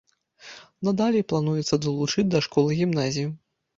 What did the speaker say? Надалей плануецца далучыць да школы гімназію.